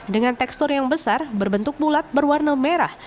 dengan tekstur yang besar berbentuk bulat berwarna merah